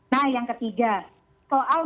nah yang ketiga soal